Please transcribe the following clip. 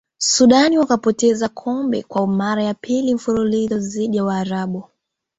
sudan wakapoteza kombe kwa mara ya pili mfululizo dhidi ya waarabu